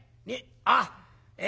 あっえ